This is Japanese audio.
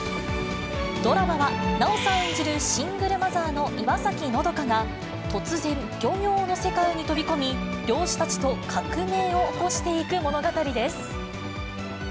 ドラマは、奈緒さん演じるシングルマザーの岩崎和佳が、突然、漁業の世界に飛び込み、漁師たちと革命を起こしていく物語です。